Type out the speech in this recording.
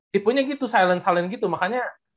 tipenya gitu silent silent gitu makanya